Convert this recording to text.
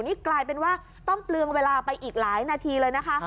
นี่กลายเป็นว่าต้องเปลืองเวลาไปอีกหลายนาทีเลยนะคะ